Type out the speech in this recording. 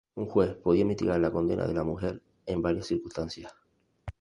Un juez podía mitigar la condena de la mujer en varias circunstancias.